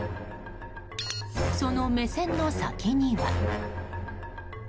その目線の先には。